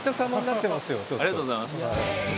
ありがとうございます。